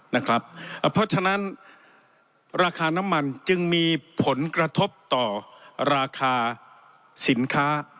เพราะฉะนั้นราคาน้ำมันจึงมีผลกระทบต่อราคาสินค้า